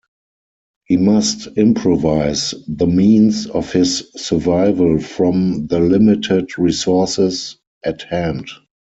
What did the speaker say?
He must improvise the means of his survival from the limited resources at hand.